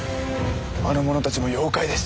あの者たちも妖怪です！